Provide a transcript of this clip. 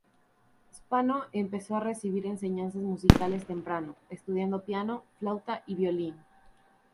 Spano empezó a recibir enseñanzas musicales temprano, estudiando piano, flauta y violín.